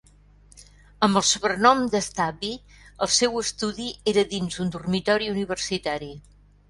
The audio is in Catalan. Amb el sobrenom de "Stubby", el seu estudi era dins un dormitori universitari.